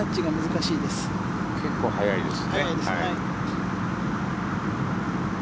結構、速いです。